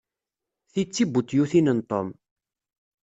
Ti d tibutyutin n Tom.